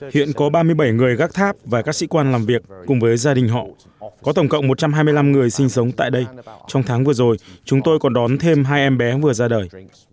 hiện có ba mươi bảy người gác tháp và các sĩ quan làm việc cùng với gia đình họ có tổng cộng một trăm hai mươi năm người sinh sống tại đây trong tháng vừa rồi chúng tôi còn đón thêm hai em bé vừa ra đời